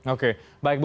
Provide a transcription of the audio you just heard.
oke baik bu